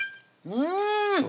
うん！